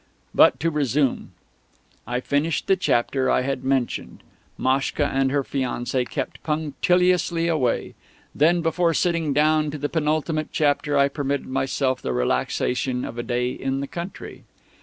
But to resume. I finished the chapter I have mentioned. Maschka and her fiancé kept punctiliously away. Then, before sitting down to the penultimate chapter, I permitted myself the relaxation of a day in the country.